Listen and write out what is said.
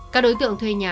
các đối tượng thuê nhà